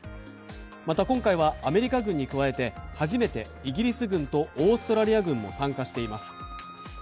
また、今回はアメリカ軍に加えて、初めてイギリス軍とオーストラリア軍も参加しています。